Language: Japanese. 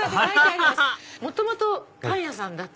元々パン屋さんだった？